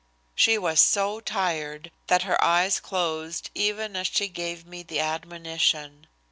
She was so tired that her eyes closed even as she gave me the admonition.